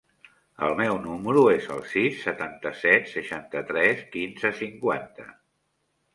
El meu número es el sis, setanta-set, seixanta-tres, quinze, cinquanta.